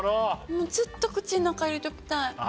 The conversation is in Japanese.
もうずっと口の中入れときたいああ